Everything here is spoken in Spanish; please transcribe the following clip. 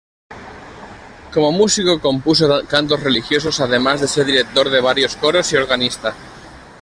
Como músico compuso cantos religiosos además de ser director de varios coros y organista.